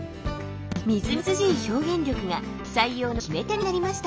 みずみずしい表現力が採用の決め手になりました。